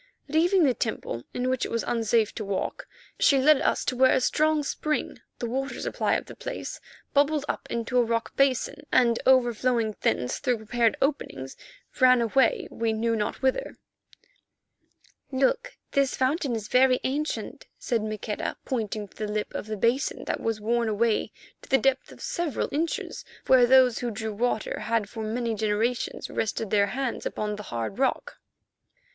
Leaving the temple in which it was unsafe to walk, she led us to where a strong spring, the water supply of the place, bubbled up into a rock basin, and overflowing thence through prepared openings, ran away we knew not whither. "Look, this fountain is very ancient," said Maqueda, pointing to the lip of the basin that was worn away to the depth of several inches where those who drew water had for many generations rested their hands upon the hard rock.